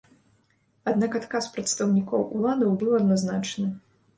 Аднак адказ прадстаўнікоў уладаў быў адназначны.